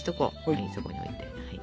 はいそこに置いてはい。